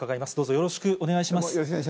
よろしくお願いします。